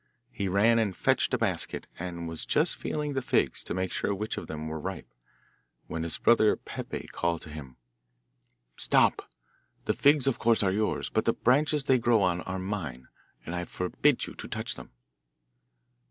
He ran and fetched a basket, and was just feeling the figs, to make sure which of them were ripe, when his brother Peppe called to him, 'Stop! The figs of course are yours, but the branches they grow on are mine, and I forbid you to touch them.